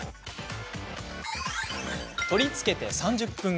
取り付けて３０分後。